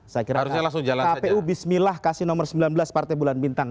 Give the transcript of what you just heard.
saya kira kpu bismillah kasih nomor sembilan belas partai bulan bintang